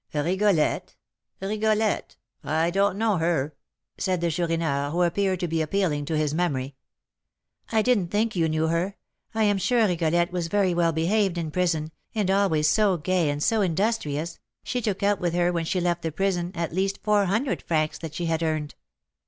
"Rigolette! Rigolette! I don't know her," said the Chourineur, who appeared to be appealing to his memory. "I didn't think you knew her. I am sure Rigolette was very well behaved in prison, and always so gay and so industrious, she took out with her when she left the prison at least four hundred francs that she had earned.